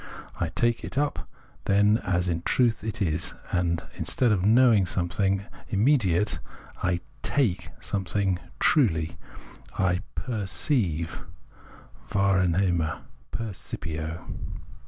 I take it up then, as in truth it is ; and instead of knowing something immediate, I " take " something " truly," I fer ceive {wahrnehne, per cipio).